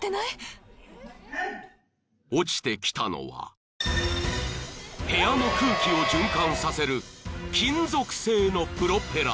［落ちてきたのは部屋の空気を循環させる金属製のプロペラ］